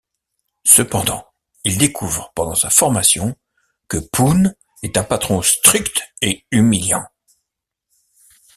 Cependant, il découvre pendant sa formation que Poon est un patron strict et humiliant.